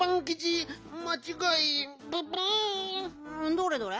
どれどれ？